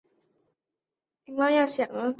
二列叶柃为山茶科柃木属下的一个种。